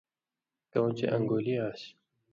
کؤں چےۡ ان٘گُولی آن٘سیۡ؛